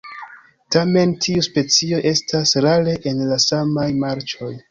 Tamen tiuj specioj estas rare en la samaj marĉoj.